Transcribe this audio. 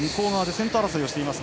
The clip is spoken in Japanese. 先頭争いをしています。